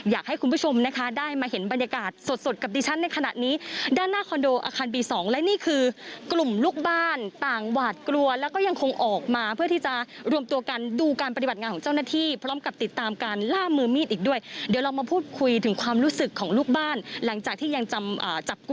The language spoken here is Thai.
อยากให้คุณผู้ชมนะคะได้มาเห็นบรรยากาศสดสดกับดิฉันในขณะนี้ด้านหน้าคอนโดอาคารบีสองและนี่คือกลุ่มลูกบ้านต่างหวาดกลัวแล้วก็ยังคงออกมาเพื่อที่จะรวมตัวกันดูการปฏิบัติงานของเจ้าหน้าที่พร้อมกับติดตามการล่ามือมีดอีกด้วยเดี๋ยวเรามาพูดคุยถึงความรู้สึกของลูกบ้านหลังจากที่ยังจำอ่าจับกลุ่ม